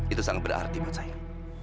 itu sangat berarti buat saya